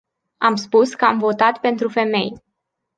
Am spus că am votat pentru femei.